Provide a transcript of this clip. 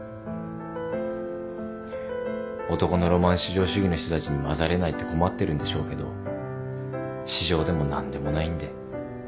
男のロマン至上主義の人たちに交ざれないって困ってるんでしょうけど至上でも何でもないんで。